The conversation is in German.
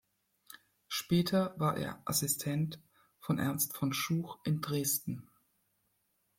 Später war er Assistent von Ernst von Schuch in Dresden.